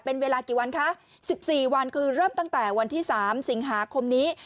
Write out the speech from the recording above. เป็นเวลากี่วันคะ๑๔วันคือเริ่มตั้งแต่วันที่๓สิงหาคมนี้